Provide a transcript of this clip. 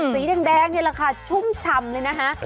สีแดงนี่แหละค่ะชุ่มฉ่ำเลยนะคะ